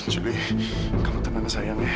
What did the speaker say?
juli kamu tenang sayang ya